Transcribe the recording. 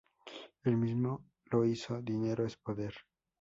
Él mismo lo dice: 'Dinero es poder'.